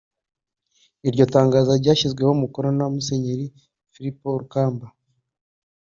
Iryo tangazo ryashyizweho umukono na Musenyeri Filipo Rukamba